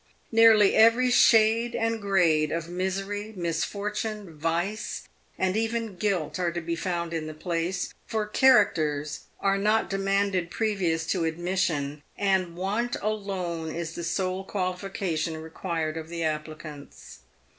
Nearly every shade and grade of misery, mis fortune, vice, and even guilt, are to be found in the place ; for characters are not demanded previous to admission, and want alone is the sole qualification required of the applicants.